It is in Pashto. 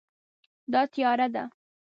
دا تیاره ده